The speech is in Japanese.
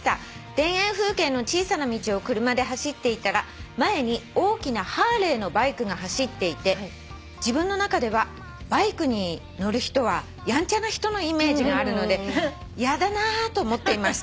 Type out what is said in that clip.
「田園風景の小さな道を車で走っていたら前に大きなハーレーのバイクが走っていて自分の中ではバイクに乗る人はやんちゃな人のイメージがあるので嫌だなと思っていました」